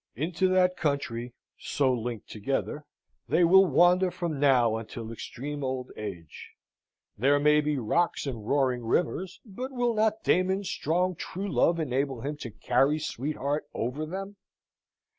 Into that country, so linked together, they will wander from now until extreme old age. There may be rocks and roaring rivers, but will not Damon's strong true love enable him to carry Sweetheart over them?